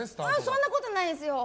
そんなことないですよ！